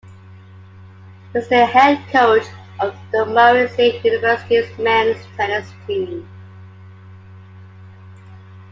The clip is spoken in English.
He is the head coach of the Murray State University men's tennis team.